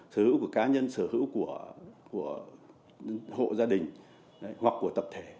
sửa hữu của cá nhân sửa hữu của hộ gia đình hoặc của tập thể